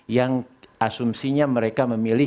yang asumsinya mereka memilih